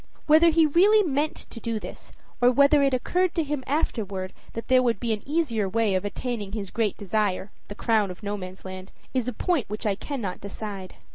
Whether he really meant to do this, or whether it occurred to him afterward that there would be an easier way of attaining his great desire, the crown of Nomansland, is a point which I cannot decide.